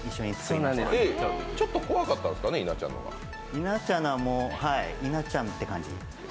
稲ちゃんのは稲ちゃんって感じ。